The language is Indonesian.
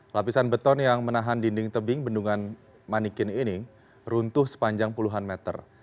lapisan beton yang menahan dinding tebing bendungan manikin ini runtuh sepanjang puluhan meter